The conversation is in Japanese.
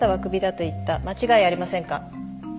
間違いありませんか？